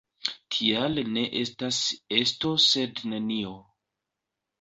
Tial ne estas esto sed nenio.